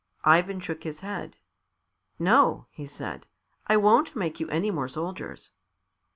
Ivan shook his head. "No," he said; "I won't make you any more soldiers."